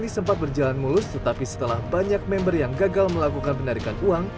sempat berjalan mulus tetapi setelah banyak member yang gagal melakukan penarikan uang